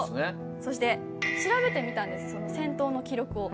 そして調べてみたんです、戦闘の記録を。